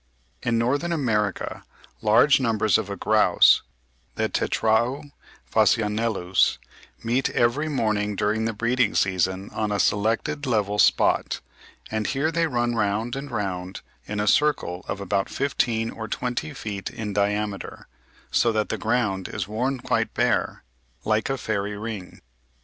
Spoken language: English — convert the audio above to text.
In Northern America large numbers of a grouse, the Tetrao phasianellus, meet every morning during the breeding season on a selected level spot, and here they run round and round in a circle of about fifteen or twenty feet in diameter, so that the ground is worn quite bare, like a fairy ring.